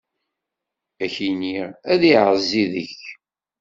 Ad k-ineɣ, ad iɛezzi deg-k!